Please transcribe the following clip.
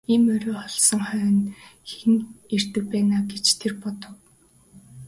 Ийм орой болсон хойно хэн ирдэг байна аа гэж тэр бодов.